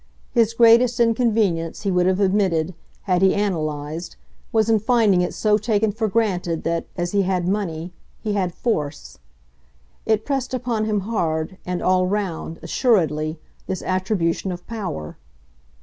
His greatest inconvenience, he would have admitted, had he analyzed, was in finding it so taken for granted that, as he had money, he had force. It pressed upon him hard, and all round, assuredly, this attribution of power.